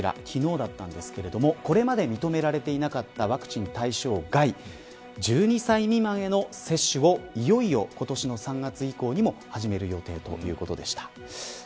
昨日ですが、これまで認められていなかったワクチン対象外１２歳未満への接種をいよいよ今年の３月以降にも始める予定ということでした。